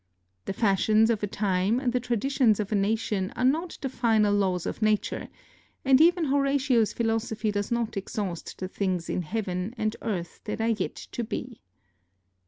The fashions of a time and the traditions of a nation are not the final laws of nature, and even Horatio's philosophy does not exhaust the things in heaven and earth that are yet to be.